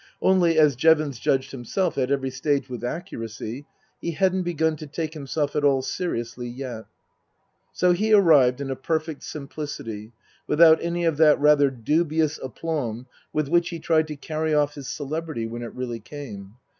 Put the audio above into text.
Only, as Jevons judged himself at every stage with accuracy, he hadn't begun to take himself at all seriously yet. So he arrived in a perfect simplicity, without any of that rather dubious aplomb with which he tried to carry off his celebrity when it really came.